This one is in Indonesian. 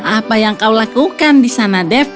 apa yang kau lakukan di sana dev